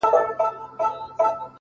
داده غاړي تعويزونه زما بدن خوري!